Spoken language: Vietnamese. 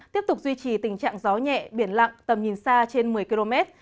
tiếp tục duy trì tình trạng gió nhẹ biển lặng tầm nhìn xa trên một mươi km